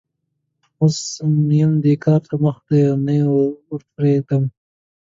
اوس م ېنو دې کار ته مخ دی؛ نه يې پرېږدم.